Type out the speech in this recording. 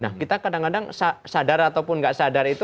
nah kita kadang kadang sadar ataupun nggak sadar itu